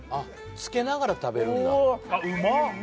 つけながら食べるんだ